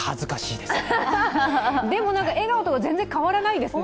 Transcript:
でも、笑顔とか全然変わらないですね。